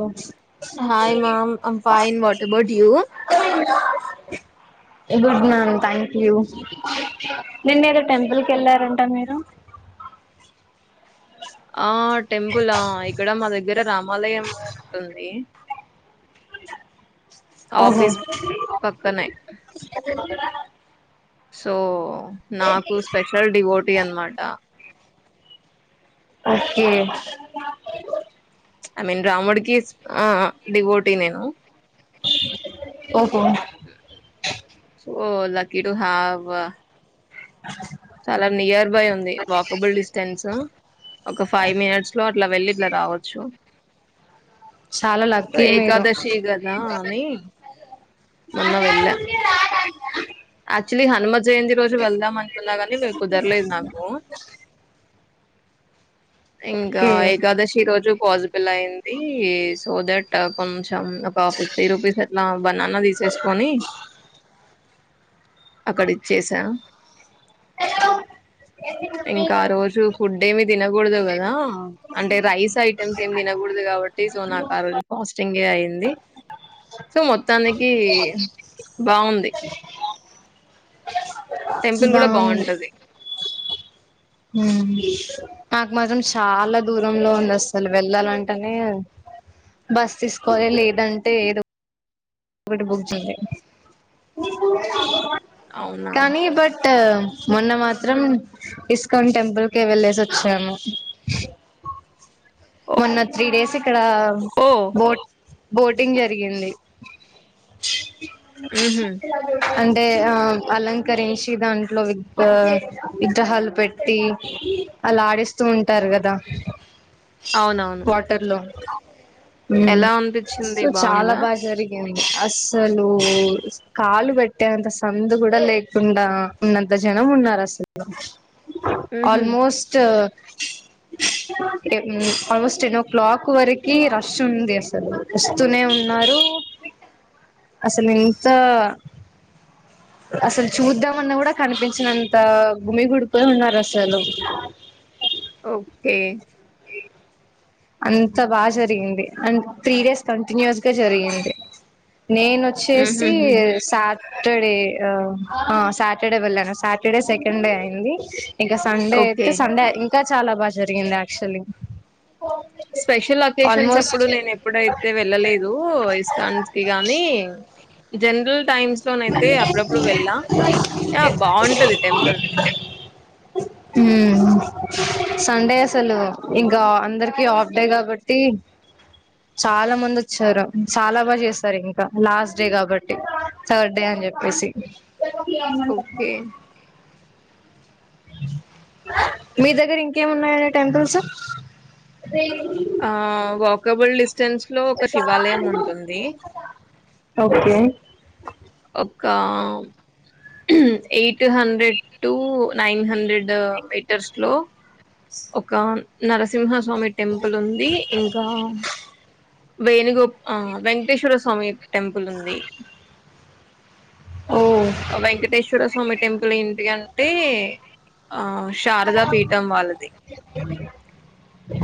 ఉంచ్ hi ma'am Aam fine what about you good ma'am thank you నిన్నేక్క temple కెల్లారంట మీరు. ఆట్ temple ఆ ఇక్కడ మా దగ్గర గ్గర రామాలయము ఉంటుంది. ఒహొ ఆఫీస్ పక్కనే సో నాకు స్పెషల్ డివోటీ అన్నమాట ఒకే ఐ మీన్ రాముడికి ఆ డివోటి నేను. ఓహో సో లక్కి టు హావ్వ చాలా నియర్ బై ఉంది. వాకబుల్ డిస్టెన్స్ ఉ ఒక ఫైవ్ మినట్స్ లో అట్ల వెళ్లి ఇట్ల రావొచ్చు. చాలా లక్కీ మీరు కదా అని మొన్న బజార్ వెళ్ళా నుండి రాదా యాక్చువల్లీ హనుమ జయంతి రోజు వెళ్దాం అనుకున్నా గాని కుదర్లేదు నాకు. ఇంకా ఓకే ఏకాదశి రోజు పాజిబుల్ అయింది. సో దట్ ఆ కొంచెం ఒక ఫిఫ్టీ రూపీస్ అట్లా బనానా తీసేస్కుని అక్కడిచ్చేస ఇంకా ఆ రోజు ఫుడ్ ఏమి కూడదు కదా అంటే రైస్ ఐటమ్స్ ఏమి తినకూడదు కాబట్టి సో నాకు ఆ రోజు ఫాస్టింగే అయింది సో మొత్తం తనకి బాగుంది టెంపుల్ కూడా బాంటది హ్మ్ నాకు మాత్రం చాలా దూరంలో ఉంది అసలు వెళ్ళాలంటేనే బస్ తీసుకోవాలి లేదంటే ఏదో టికెట్ బుక్ చేయాలి అవునా కానీ బట్ మొన్న మాత్రం ఇస్కాన్ టెంపుల్ కే వెళ్లేేసి వచ్చినాము మొన్న త్రీ డేస్ ఏ ఇక్కడ ఓ బోట్ బోటింగ్ జరిగింది హుహు. [unintelligible] అంటే ఆ అలంకరించి దాంట్లో వి విగ్రహాలు పెట్టి అలా ఆడిస్తూ ఉంటారు కదా అవునవును. వాటర్ లోన్ హ్మ్ ఎలా అనిపించింది సో చాలా బావుందా? బా జరిగింది అసలు కాలు పెట్టేంత సందు కూడా లేకుండా ఉన్నంత జనం ఉన్నారు అసలు హుహు. ఆల్మోస్ట్ ఎప్ హ్మ్ ఆల్మోస్ట్ టెన్ ఓ క్లాక్ వరకి రష్ ఉంది అసలు వస్తూనే ఉన్నారు అసలు ఎంత అసలు చూద్దామన్నా కూడా కనిపించినంత గుమి గుడిపో ఉన్నారు అసలు ఓకే అంత బా జరిగింది అండ్ త్రీ డేస్ కంటిన్యూస్గా జరిగింది నేనొచ్చేసి హుహుహు. సాత్ సాటర్డే ఆమ్ ఆ సాటర్డే వెళ్లను సాటర్డే సెకండ్డే అయింది ఇంక సండే ఓకే. ఐతే సండే ఇన్ ఇంకా చాలా బా జరిగింది యాక్చులీ స్పెషల్ అకేషన్స్ అప్పుడు నేను ఎప్పుడైతే వెళ్ళలేదు ఇస్కాన్ కి గానీ జనరల్ టైమ్స్ లోనయితే అప్పుడప్పుడు వెళ్ళా ఆ బాంటది టెంపుల్ ఉమ్మ్ సండే అసలు ఇంకా అందరికి ఆఫ్ డే కాబట్టి చాలా మంది వచ్చారు చాలా బాగా చేస్తారు ఇంకా లాస్ట్ డే కాబట్టి థర్డ్ డే అని చెప్పేసి ఓకే అ మీ దగ్గర ఇంకేమున్నాయనే టెంపుల్స్ ఆ వ కబుల్ డిస్ ఓకే ఒక eight hundred to nine hundred metres లో ఒక నరసింహ స్వామి టెంపుల్ ఉంది ఇంకా వేణుగో ఆ వెంకటేశ్వర స్వామి టెంపుల్ ఉంది ఓ వెంకటేశ్వర స్వామి టెంపుల్ ఏంటి అంటే ఆ శారదా పీఠం వాళ్ళది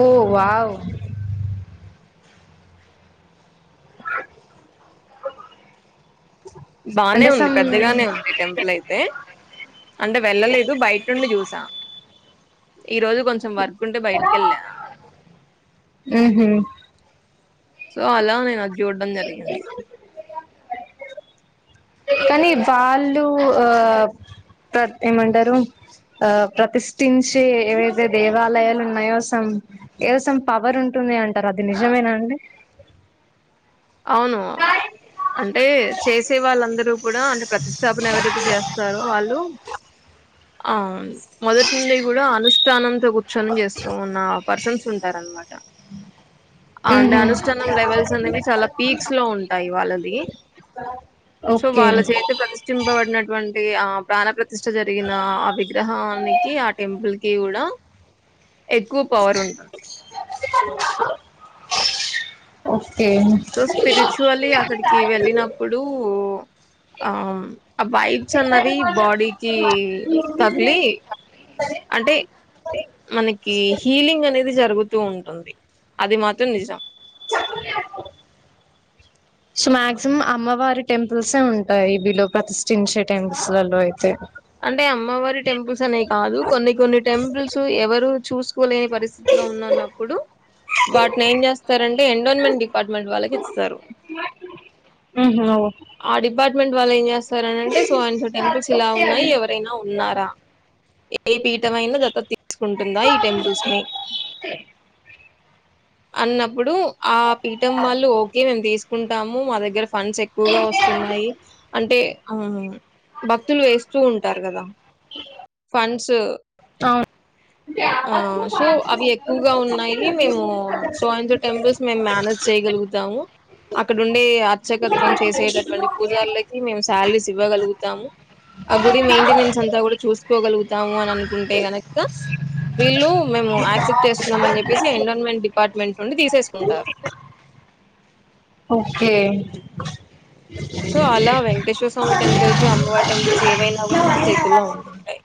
ఓ వావ్ బానే అంటే ఉంది సమ్ పెద్దగానే ఉంది టెంపుల్ ఐతే అంటే వెళ్ళలేదు బయట నుండి చూసా ఈ రోజు కొంచెం వర్క్ ఉంటే బయటికెళ్ళా ఉహు సో అలా నేను అద్ జూడ్డం జరిగింది అ [inaudible] కానీ వాళ్ళు ఆ ప్ర ఏమంటారు ఆ ప్రతిష్ఠించే ఏవైతే దేవాలయాలున్నాయో సం ఏదో సం పవర్ ఉంటుంది అంటారు అది నిజమేనా అండి అవును అంటే చేసే వాళ్ళందరు కుడా అంటే ప్రతిష్టాపన ఎవరైతే చేస్తారో వాళ్ళు ఆ మొదటి నుండి కూడా అనుష్ఠానం తొ కూర్చోని చేస్తూ ఉనా పర్సన్స్ తుంటారనమాట అంటే ఉహు అనుష్ఠానం లెవెల్స్ అనేవి చాలా పీక్స్ లో ఉంటాయి వాళ్ళది సో ఓకే వాళ్ళ చేత ప్రతిష్టింపబడినటువన్ తే ఆ ప్రాణ ప్రతిష్ట జరిగిన ఆ విగ్రహానికి ఆ టెంపుల్ కి కూడా ఎక్కువ పవర్ ఉంటుది [inaudible] ఓ సో స్పిరిచువల్లీ అక్కడికి వెళ్ళినప్పుడు ఆ ఆ వైబ్స్ అన్నవి బాడీకి తగిలి అంటే మనకి హీలింగ్ అనే జరుగుతూ ఉంటుంది అది మాత్రం నిజం సమాక్సిమం అమ్మవారి టెంపుల్సే ఉంటాయి బిలో ప్రతిష్ఠించే టెంపుల్స్ లలో అయితే అంటే అమ్మవారి టెంపుల్స్ అనే కాదు కొన్ని కొన్ని టెంపుల్స్ ఎవరు చూసు లేని పరిస్థితిలో ఉన్నప్పుడు వాటిని ఏం చేస్తారంటే ఎండోన్మెంట్ డిపార్ట్మెంట్ వాళ్ళకి ఇస్తారు ఉహు ఆ డిపార్ట్ ట్ వాళ్ళేంచేస్ట్ [unintelligible] అంటే సో ఆయతో టెంపుల్స్ ఇలా న్నాయి ఎవరైనా ఉన్నారా ఏపీఠమైనా దత్తతి సుకుంటుందా ఈ టెంపుల్స్ ని అన్నప్పుడు ఆ పీఠం వాళ్ళు ఓకే నేను తీసు కుంటాము మా దగ్గర ఫండ్స్ ఎక్కువగా వస్తున్నాయి అంటే ఆ భక్తులు వేస్త సో అవును ఆ సో అవి ఎక్కువగా ఉన్నాయి మేము సో అండ్ సో టెంపుల్స్ మేము మేనేజ్ చేయగలుగుతాము అక్కడుండే ఎ చెకప్ చేసేటటువంటి పూజారులకి మేము శాలరీస్ ఇవ్వగలుగుత తము ఆ గుడి మెయింటెనెన్స్ అంతా కూడా చూసు కోగలుగుతాము అని అనుకుంటే గనక వీళ్ళు మేము ఎక్స్పెక్ట్ చేస్తున్నాంని చెప్పసి ఎన్న్మెంట్ అపార్ట్మెంట్ నుండి తీసేసుకుంటారు ఓకే సో అలా వెంకటేశ్వర స్వామి టెంపుల్స్ అమ్మవారి టెంపుల్స్ ఏవైనా కూడా మన చేతుల్లో ఉంటాయి అ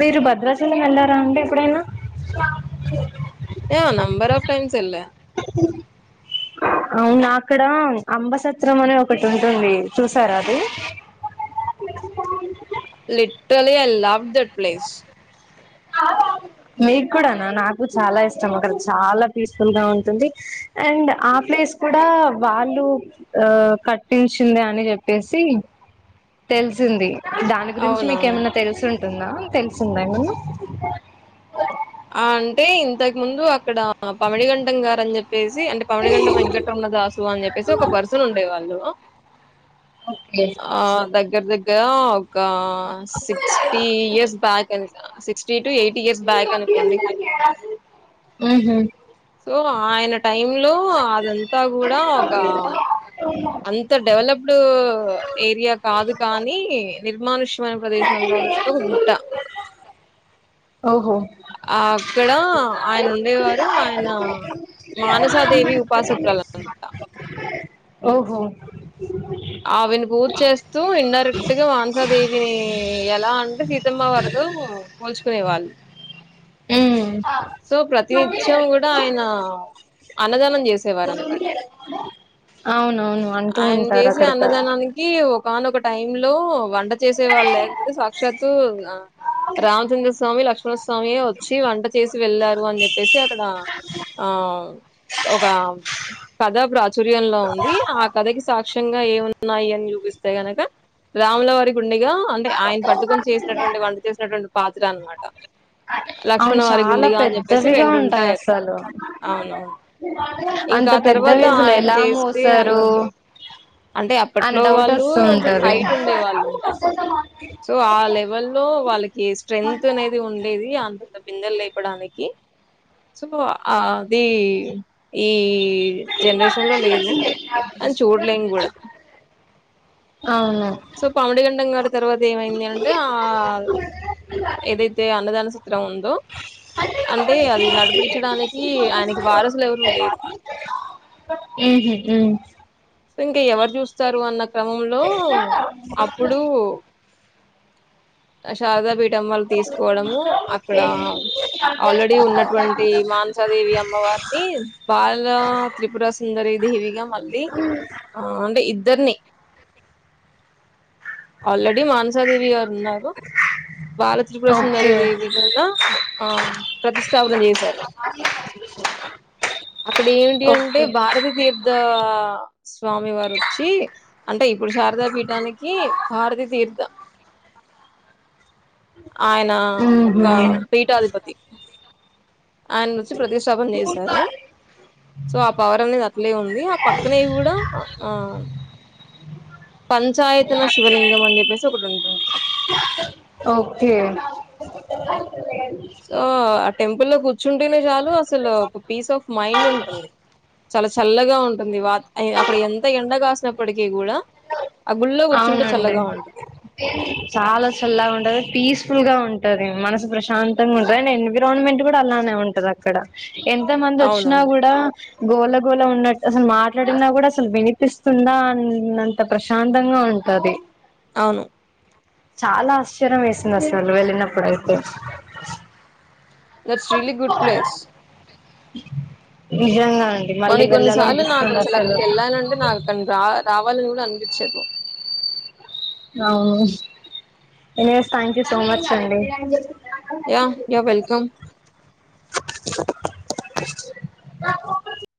మీరు భద్రాచలం వెళ్ళారా అండి ఎప్పుడైనా ఆ నంబర్ ఆఫ్ టైమ్స్ ఎల్లా అవునా అక్కడ అంబసత్రం అనే ఒకటి ఉంటుంది చూసారు అది little I love that place మీకు కూడానా నాకు చాలా ఇష్టం అక్కడ చాలా పీస్ ఫుల్ గా ఉంటుంది అండ్ ఆ ప్లేస్ కూడా వాళ్ళు ఆ కట్టించింది అని చెప్పేసి తెలిసింది దాని గురించి అవునవును మీకేమైన్నా తెలుసుం దా తెలిసిందామన్న [unintelligible] ఆ అంటే ఇంతకు ముందు అక్కడ పమిడిగఠం గారని చెప్ప చెప్పేసి అంటే పమిడిగఠం వెంకటరమణ దాసు అని చెప్పేసి ఒక పర్సన్ ఉండే వాళ్ళు ఓకే ఆ దగ్గర దగ్గ కా ఒక సిక్స్టీ ఇయర్స్ బ్యాక్ అని sixty to eighty year back అ మ్మహు ఓ ఆయనట్ టైమ్ లో అదంతా కూడా ఒక అంత డెవలప్డ్ ఏరియా కాదు కానీ మనుష మ ప్రదేశాలో ఉన్నటువంటి ఒక గుట్ట ఓహో ఆ అక్కడ ఆయన ఉండేవారు ఆయన మానసాదేవి ఉపాసకలు అనమాట ఓహో ఆవిను పూజ్జెస్తే ఇన్ండైరెక్ట్ గా వాన్సాదేవని ఎలా అంటే మా వారితో కోల్చ్ సునేవాళ్ళు ఉమ్ సో ప్రతినిత్యం కూడా ఆయన అన్నదానం జేసేవారనమాట. అవునవును అంటూ ఆయన ఉంటారు జేసే అక్కడ అన్నదానానికి ఒకనోక టైమ్ లో వంట అంతా చేసే వాళ్ళు లేకపోతే సాక్షాతు ఆ రామచంద్ర స్వామి లక్ష్ స్వామీ వచ్చి వంట చేసి వెళ్ళారు అని చెప్పేసి అక్కడ ఆ ఒక కథ ప్రాచుర్యంలో ఉంది ఆ కథకి సాక్షి నిజంగా ఏమున్నాయి అని చూపిస్తే గనక రాముల వారికి వుండిగా అంటే ఆయన పట్టుకొని చేసినటువంటి వంట చేసినటువంటి పాత్ర అన్నమాట అవును చాలా జెప్పేసి పెద్దవిగా ఉంటాయి రెండుంటాయక్కడ. అసలు అవునవును. ఇంకా అంత ఆ తర్వాత పెద్దవి అసలు ఆయన ఎలా చేసి అన్న మెసారు అంటే అని అప్పట్లో డౌట్ వాళ్ళు వస్తూ కొంచెం ఉంటంది హైట్ ఉండే వాళ్ళుంట సో ఆ లెవెల్ లో వాళ్ళకి స్ట్రెంగ్త్ అనేది ఉం అనేది అంతంత బిందెలు లేపడానికి సో ఆది ఈ ఇ జనరేషన్ లో లేదు అని చూడలేం కూడా అవును సో కమిడి గ తర్వాత ఏమైంది అంటే ఆ ఏదైతే అన్నదాన సొ రౌ [unintelligible] దో అంటే అది నడిపించడానికి ఆయనకి వారసులు ఎవరు లేరు ఉహు ఉ సింగయ్యవర్ చూస్తారు అన్న క్రమంలో అప్పుడు శాదా బేట్ డమ్మల తీసుకోవడము అక్కడ ఆల్రెడీ ఉన్నటువంటి మానసా దేవి అమ్మవారిని బాల త్రిపుర సుందరి దేవిగా మళ్ళీ ఆ అంటే ఇది ఇద్దరని అల్ రాడి మనసా దేవి గారు ఉన్నా ఓ బాల త్రిపుర సుందరి ఓకే దేవి కన్నా ఆ ప్రతిష్టాపన చేశారు అక్కడ ఏంటి అంటే ఓకే భారతీ తీర్థ స్వామి వారు వచ్చి అంటే ఇప్పుడు శారదా పీఠానికి భారత తీర్థం ఆయన ఒక ఉహు ఆదిపత్తి ఆయన వచ్చి ప్రతిష్టాపన చేశారు సో ఆ పవర్ అనేది అట్లే ఉంది ఆ పక్కనే కూడా ఆ ఆ పంచాయతన శివలింగం అని చెప్పేసి ఒకటి ఉంటుంది ఓకే సో ఆ టెంపుల్ లో కూ చుంటనే చాలు అసలు ఒక పీస్ ఆఫ్ మైండ్ ఉంటుంది చాలా చల్లగా ఉంటుంది వా అక్కడ ఎంత ఎండ కాసినప్పటికీ కూడా ఆ గుళ్ళో కూర్చుంటే అవునండి చల్లగా ఉంటుంది చాలా చల్లగా ఉంటది పీస్ ఫుల్ గా ఉంటుంది మనసు ప్రశాంతంగా ఉంటుంది అండ్ ఎన్విరాన్మెంట్ కూడా అలానే ఉంటది అక్కడ ఎంత మంది వచ్చినా అవునవును కూడా గోళ గోళ ఉన్నట్టు అసలు మాట్లాడినా కూడా అసలు వినిపిస్తుందా అన్నంత ప్రశాంత అందంగా ఉంటాది అవును చాలా ఆశ్చర్యం వేసింది అసలు వెళ్ళినప్పుడుయితే దట్స్ రిలీ గుడ్ ప్లేస్ నిజంగా అండి మళ్ళీ కొన్ని కొన్ని సార్లు నాకు వెళ్ళాలనిపిస్తుంది అసలు అక్కడికి వెళ్ళాలింటే నాకు అక్క రా రావాలని కూడా అనిపి చెప్పు అవును anyways thank you so much అండి య్య యూ వెల్కమ్ [inaudible]